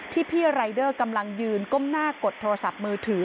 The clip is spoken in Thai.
พี่รายเดอร์กำลังยืนก้มหน้ากดโทรศัพท์มือถือ